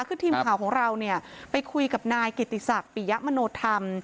คือทีมข่าวของเราเนี่ยไปคุยกับนายกิติศักดิ์ปิยะมโนธรรม